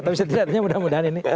tapi setidaknya mudah mudahan ini